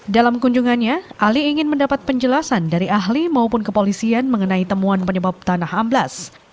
dalam kunjungannya ali ingin mendapat penjelasan dari ahli maupun kepolisian mengenai temuan penyebab tanah amblas